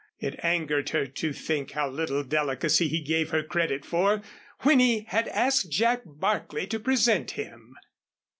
It angered her to think how little delicacy he gave her credit for when he had asked Jack Barclay to present him.